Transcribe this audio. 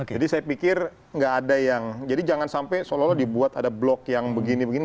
jadi saya pikir gak ada yang jadi jangan sampai seolah olah dibuat ada blok yang begini begini